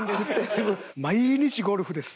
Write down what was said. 毎日ゴルフです。